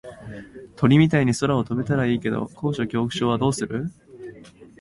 鳥みたいに空を飛べたらいいけど高所恐怖症はどうする？